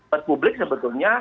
pet publik sebetulnya